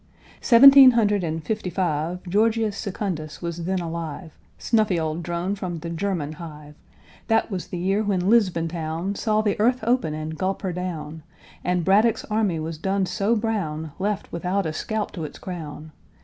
Seventeen hundred and fifty five. Georgius Secundus was then alive, Snuffy old drone from the German hive. That was the year when Lisbon town Saw the earth open and gulp her down, And Braddock's army was done so brown, Left without a scalp to its crown.